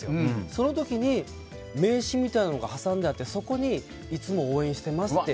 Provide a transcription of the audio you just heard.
その時に名刺みたいなのが挟んであってそこに、いつも応援してますって。